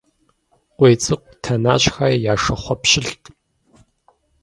КъуийцӀыкӀу Тэнащхэ я шыхъуэ пщылӀт.